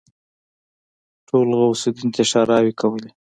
ټولو غوث الدين ته ښېراوې کولې.